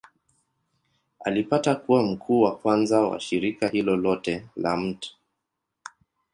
Alipata kuwa mkuu wa kwanza wa shirika hilo lote la Mt.